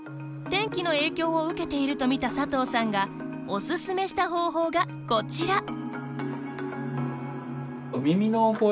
天気の影響を受けていると見た佐藤さんがお勧めした方法がこちら。